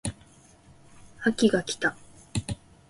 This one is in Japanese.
秋が来た